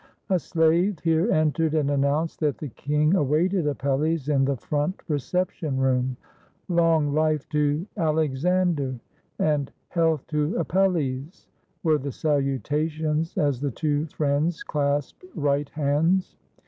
A slave here entered and announced that the king awaited Apelles in the front reception room. "Long Hfe to Alexander!" and "Health to Apelles!" were the salutations as the two friends clasped right hands.